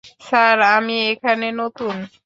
Sir, আমি এখানে নতুন।